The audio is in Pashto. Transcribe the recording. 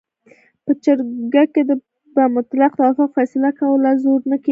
په جرګه کې به مطلق توافق فیصله کوله، زور نه کېدلو.